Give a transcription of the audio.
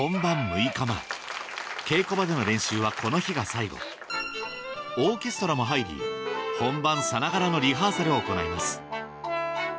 稽古場での練習はこの日が最後オーケストラも入り本番さながらのリハーサルを行います